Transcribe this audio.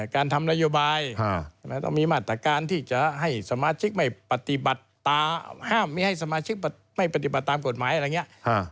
การทำนโยบายต้องมีมาตรการที่จะให้สมาชิกไม่ปฏิบัติตามกฎหมายอะไรอย่างนี้